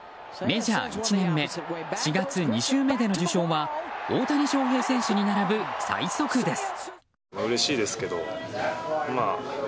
メジャー１年目４月２週目での受賞は大谷翔平選手に並ぶ最速です。